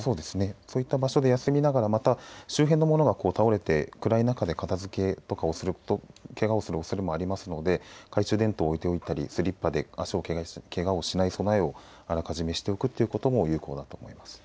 そういった場所で休みながらまた周辺の物が倒れて暗い中で片付とかをするとけがをするおそれもありますので懐中電灯を置いておいたりスリッパで足をけがしない備えもあらかじめしておくことも有効だと思います。